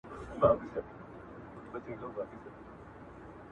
مانا د توليد لپاره د نورو ماناګانو